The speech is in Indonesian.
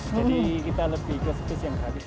jadi kita lebih ke spesial gratis